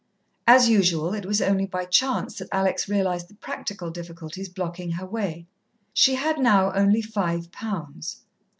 As usual, it was only by chance that Alex realized the practical difficulties blocking her way. She had now only five pounds.